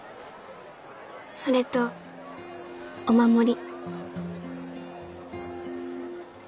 それとお守り。